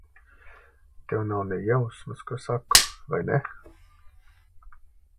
Tev nav ne jausmas, ko saku, vai ne?